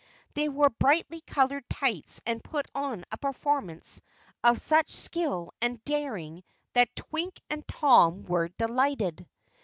They wore brightly colored tights and put on a performance of such skill and daring that Twink and Tom were delighted.